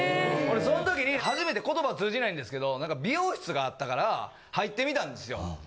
そのときに、初めてことば通じないんですけれども、美容室があったから入ってみたんですよ。